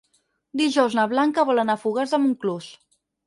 Dijous na Blanca vol anar a Fogars de Montclús.